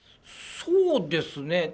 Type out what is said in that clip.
そうですね。